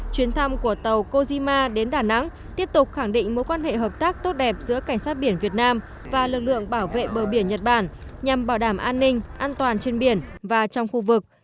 chuyến thăm của tàu kojima đến đà nẵng tiếp tục khẳng định mối quan hệ hợp tác tốt đẹp giữa cảnh sát biển việt nam và lực lượng bảo vệ bờ biển nhật bản nhằm bảo đảm an ninh an toàn trên biển và trong khu vực